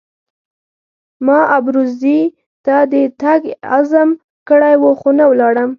ما ابروزي ته د تګ عزم کړی وو خو نه ولاړم.